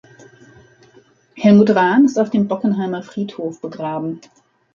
Helmut Rahn ist auf dem Bockenheimer Friedhof begraben.